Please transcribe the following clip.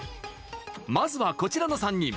まずは、こちらの３人。